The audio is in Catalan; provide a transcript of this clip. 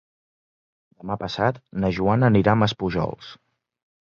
Demà passat na Joana anirà a Maspujols.